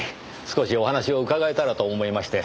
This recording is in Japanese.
少しお話を伺えたらと思いまして。